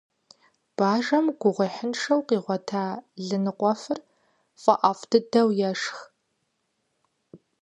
Бажэм гугъуехьыншэу къигъуэта лы ныкъуэфыр фӀэӀэфӀ дыдэу ешх.